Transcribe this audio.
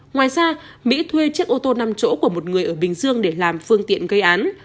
ngoài ra mỹ thuê chiếc ô tô năm chỗ của một người ở bình dương để làm phương tiện gây án